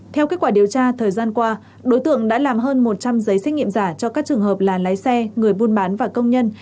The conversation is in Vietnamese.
theo kết quả điều tra thời gian qua đối tượng đã làm hơn một trăm linh giấy xét nghiệm giả cho các trường hợp là lái xe người buôn bán và công nhân